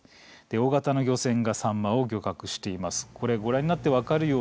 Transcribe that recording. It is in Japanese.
大型の漁船がサンマを漁獲しています。